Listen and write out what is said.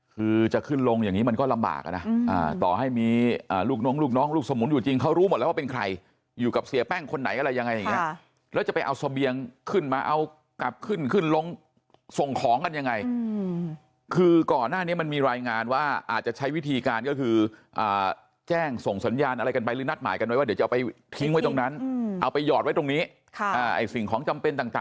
คือจะขึ้นลงอย่างนี้มันก็ลำบากอ่ะนะต่อให้มีลูกน้องลูกน้องลูกสมุนอยู่จริงเขารู้หมดแล้วว่าเป็นใครอยู่กับเสียแป้งคนไหนอะไรยังไงอย่างนี้แล้วจะไปเอาเสบียงขึ้นมาเอากลับขึ้นขึ้นลงส่งของกันยังไงคือก่อนหน้านี้มันมีรายงานว่าอาจจะใช้วิธีการก็คือแจ้งส่งสัญญาณอะไรกันไปหรือนัดหมายกันไว้ว่าเดี๋ยวจะเอาไปทิ้งไว้ตรงนั้นเอาไปหยอดไว้ตรงนี้สิ่งของจำเป็นต่าง